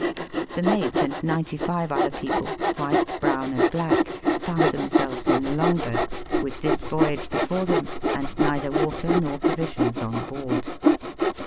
The mate and ninety five other people, white, brown, and black, found themselves in the long boat, with this voyage before them, and neither water nor provisions on board.